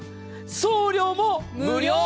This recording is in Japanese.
送料も無料！